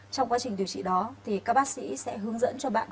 trong quá trình điều trị đó thì các bác sĩ sẽ hướng dẫn cho bạn